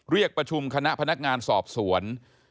เรียกประชุมคณะพนักงานสอบสวน